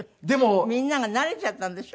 みんなが慣れちゃったんでしょ？